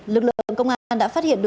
lực lượng công an đã phát hiện được